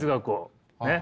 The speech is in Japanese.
ねっ！